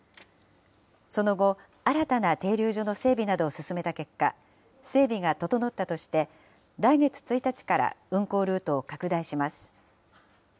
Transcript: その後、新たな停留所の整備などを進めた結果、整備が整ったとして、来月１日から運行ルートを拡大します。